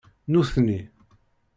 Nutni